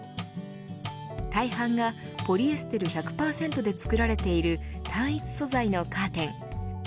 大半がポリエステル１００％で作られている単一素材のカーテン。